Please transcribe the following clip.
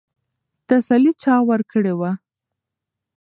تسلي چا ورکړې وه؟